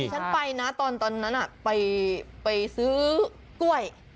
ฉันไปนะตอนนั้นไปซื้อกล้วย